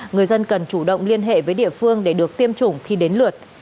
người dân cần chủ động liên hệ với địa phương để được tiêm chủng khi đến lượt